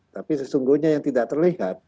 tapi sesungguhnya yang tidak terlihat